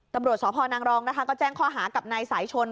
ตำรวจสพนางรองนะคะก็แจ้งข้อหากับนายสายชน